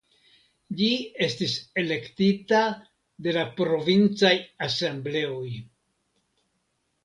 Ĝi estis elektita de la 'Provincaj Asembleoj'.